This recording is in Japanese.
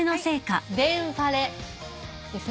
デンファレですね。